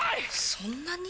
そんなに！？